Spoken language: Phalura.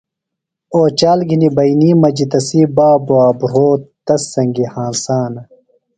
اوچال گِھنیۡ بئینی مجیۡ تسی بابوے بھرو تس سنگیۡ ہنسانہ۔